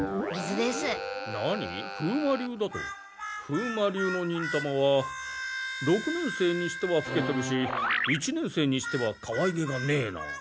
風魔流の忍たまは六年生にしてはふけてるし一年生にしてはかわいげがねえな。